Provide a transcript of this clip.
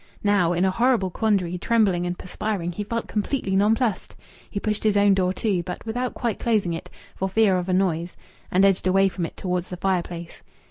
Now, in a horrible quandary, trembling and perspiring, he felt completely nonplussed. He pushed his own door to, but without quite closing it, for fear of a noise; and edged away from it towards the fireplace.